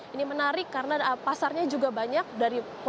ini menarik karena pasarnya juga banyak dari korea